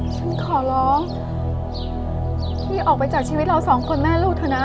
ฉันขอร้องพี่ออกไปจากชีวิตเราสองคนแม่ลูกเถอะนะ